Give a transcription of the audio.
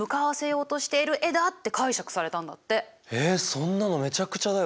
そんなのめちゃくちゃだよ。